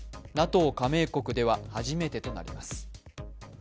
加盟国では初めてとなります。